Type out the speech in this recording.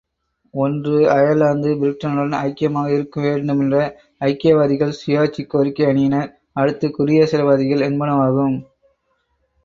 ஒன்று, அயர்லாந்து பிரிட்டனுடன் ஐக்கியமாக இருக்கவேண்டுமென்ற ஐக்கியவாதிகள் சுயாட்சி கோரிக்கை அணியினர் அடுத்து குடியரசுவாதிகள் என்பனவாகும்.